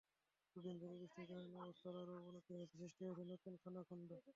দুদিন ধরে বৃষ্টির কারণে অবস্থার আরও অবনতি হয়েছে, সৃষ্টি হয়েছে নতুন খানাখন্দ।